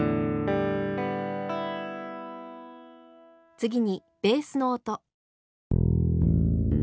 次にベースの音。